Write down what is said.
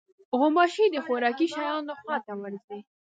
غوماشې د خوراکي شیانو خوا ته ورځي.